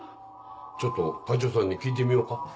ちょっと会長さんに聞いてみようか。